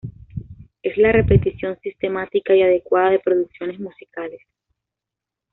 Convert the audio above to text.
Es la repetición sistemática y adecuada de producciones musicales.